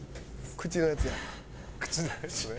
口のやつね。